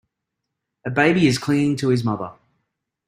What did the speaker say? A baby is clinging to his mother.